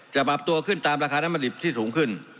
ปรับตัวขึ้นตามราคาน้ำมันดิบที่สูงขึ้น